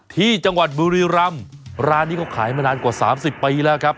ที่จังหวัดบุรีรำร้านนี้เขาขายมานานกว่า๓๐ปีแล้วครับ